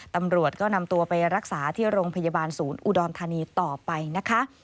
ตำรวจก็นำตัวไปรักษาที่โรงพยาบาลศูนย์อุดรธานีต่อไปนะคะ